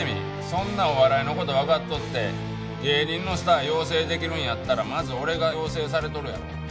そんなお笑いの事わかっとって芸人のスター養成できるんやったらまず俺が養成されとるやろ。